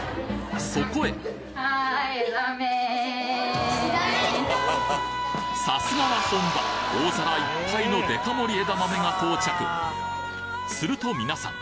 そこへさすがは本場大皿いっぱいのデカ盛り枝豆が到着するとみなさん